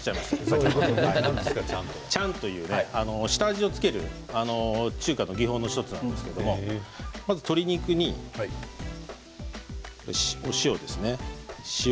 漿チャンは下味を付ける中華の基本の１つなんですけれど鶏肉に、お塩ですね。